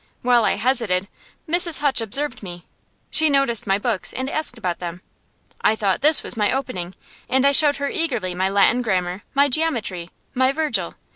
While I hesitated, Mrs. Hutch observed me. She noticed my books, and asked about them. I thought this was my opening, and I showed her eagerly my Latin grammar, my geometry, my Virgil.